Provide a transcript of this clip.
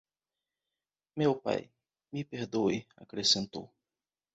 "Meu pai, me perdoe", acrescentou.